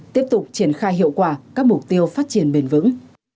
tiếp tục triển khai hiệu quả các mục tiêu phát triển bền vững